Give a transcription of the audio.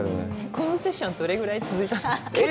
このセッションどれぐらい続いたんですか？